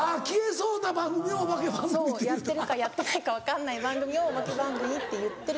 そうやってるかやってないか分かんない番組をお化け番組って言ってる。